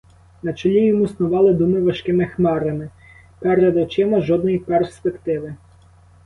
На чолі йому снували думи важкими хмарами, перед очима — жодної перспективи.